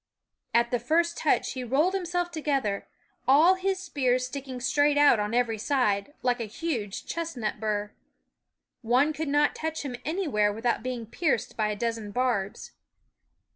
At the first touch he rolled himself together, all his spears sticking 5? ^ straight out on every side, like a huge ^', chestnut bur. One could not touch him anywhere without being pierced by a dozen barbs.